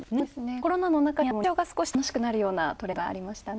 コロナの中にあっても日常が少し楽しくなるようなトレンドがありましたね。